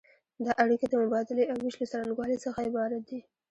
دا اړیکې د مبادلې او ویش له څرنګوالي څخه عبارت دي.